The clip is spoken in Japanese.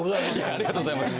ありがとうございます。